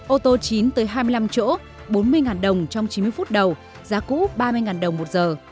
ô tô chín hai mươi năm chỗ bốn mươi đồng trong chín mươi phút đầu giá cũ ba mươi đồng một giờ